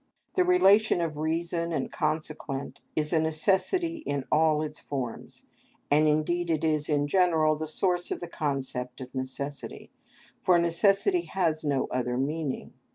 The relation of reason and consequent is a necessity in all its forms, and indeed it is, in general, the source of the concept of necessity, for necessity has no other meaning.